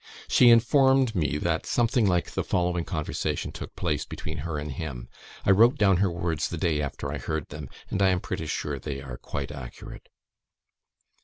She informed me that something like the following conversation took place between her and him. (I wrote down her words the day after I heard them; and I am pretty sure they are quite accurate.)